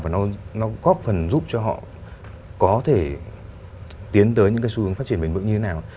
và nó góp phần giúp cho họ có thể tiến tới những xu hướng phát triển bình thường như thế nào